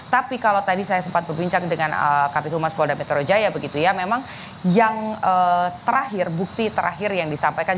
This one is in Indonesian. tapi kalau tadi saya sempat berbincang dengan kabit humas polda metro jaya begitu ya memang yang terakhir bukti terakhir yang disampaikan